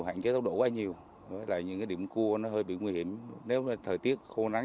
hạn chế tốc độ quá nhiều với lại những cái điểm cua nó hơi bị nguy hiểm nếu thời tiết khô nắng